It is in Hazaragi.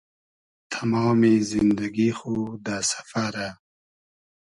تئمامی زیندئگی خو دۂ سئفئرۂ